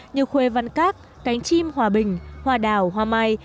như khuê văn các cánh chim hòa bình hòa đảo hòa mai